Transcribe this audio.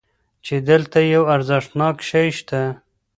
چې دلته یو ارزښتناک شی شته.